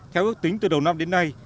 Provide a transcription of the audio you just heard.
theo ước tính từ đầu năm đến nay